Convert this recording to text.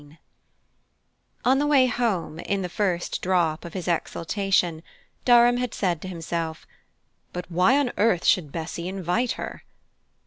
VI On the way home, in the first drop of his exaltation, Durham had said to himself: "But why on earth should Bessy invite her?"